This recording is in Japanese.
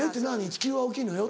地球は大きいのよ」。